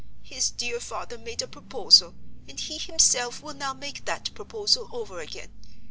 His dear father made a proposal, and he himself will now make that proposal over again.